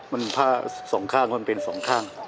มันผ้าสองข้างมันเป็นสองข้าง